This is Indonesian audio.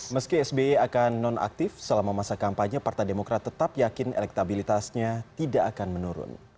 meski sby akan non aktif selama masa kampanye partai demokrat tetap yakin elektabilitasnya tidak akan menurun